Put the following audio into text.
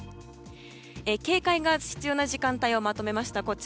警戒が必要な時間帯をまとめました。